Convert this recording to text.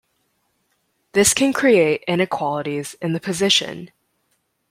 This can create inequalities in the position.